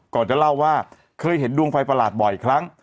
ก่อนจะเล่าว่าเคยเห็นดวงไฟประหลาดบ่อยครั้ง